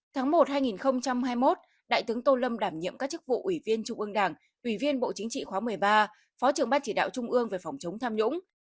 tháng một hai nghìn hai mươi một đại tướng tô lâm đảm nhiệm các chức vụ ủy viên trung ương đảng ủy viên bộ chính trị khóa một mươi ba phó trưởng ban chỉ đạo trung ương về phòng chống tham nhũng